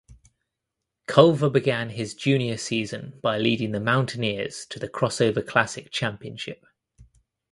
Culver began his junior season by leading the Mountaineers to the Crossover Classic Championship.